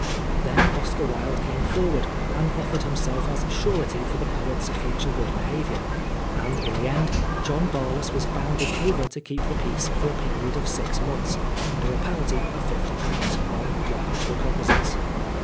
Then Oscar Wilde came forward and offered himself as surety for the poet's future good behaviour ; and in the end, John Barlas was bound over to keep the peace for a period of six months, under a penalty of ^50, on Wilde's recognisance.